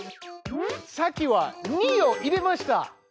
さっきは「２」を入れました！